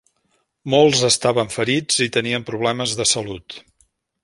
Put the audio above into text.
Molts estaven ferits i tenien problemes de salut.